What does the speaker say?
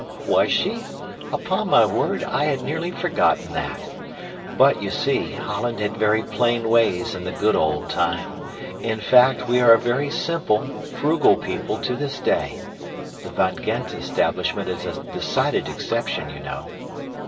"Was she? Upon my word, I had nearly forgotten that. But, you see, Holland had very plain ways in the good old time; in fact, we are a very simple, frugal people to this day. The Van Gend establishment is a decided exception, you know."